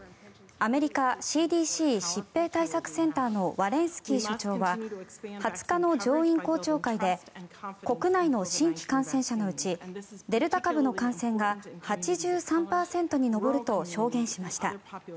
アメリカＣＤＣ・疾病対策センターのワレンスキー所長は２０日の上院公聴会で国内の新規感染者のうちデルタ株の感染が８３％に上ると証言しました。